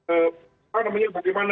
apa namanya bagaimana prosedur itu terjadi